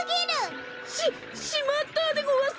しっしまったでごわす！